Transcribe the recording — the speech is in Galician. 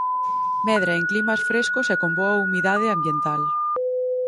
Medra en climas frescos e con boa humidade ambiental.